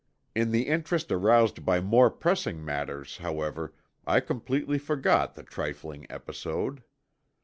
In the interest aroused by more pressing matters, however, I completely forgot the trifling episode.